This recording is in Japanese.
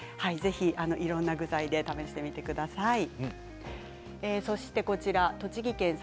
ぜひ、いろんな具材で試してみてください。